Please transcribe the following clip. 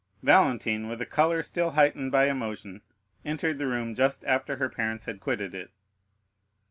Valentine, with a color still heightened by emotion, entered the room just after her parents had quitted it.